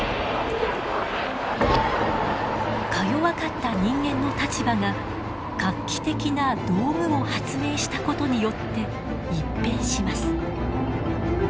かよわかった人間の立場が画期的な道具を発明したことによって一変します。